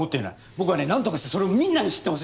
僕はねなんとかしてそれをみんなに知ってほしいんだ。